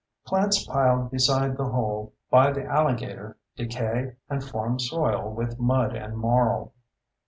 Plants piled beside the hole by the alligator decay and form soil with mud and marl.